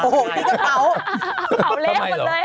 ที่กระเป๋า